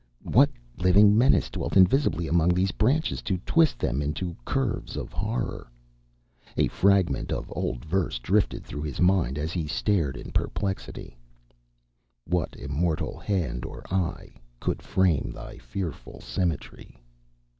What living menace dwelt invisibly among these branches to twist them into curves of horror? A fragment of old verse drifted through his mind as he stared in perplexity: What immortal hand or eye Could frame thy fearful symmetry?